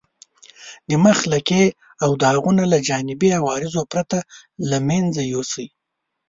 د مخ لکې او داغونه له جانبي عوارضو پرته له منځه یوسئ.